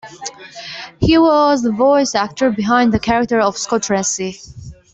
He was the voice actor behind the character of Scott Tracy.